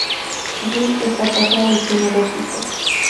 Wi Está casado y tiene dos hijos.